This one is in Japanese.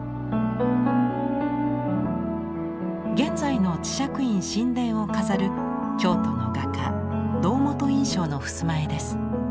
現在の智積院宸殿を飾る京都の画家堂本印象の襖絵です。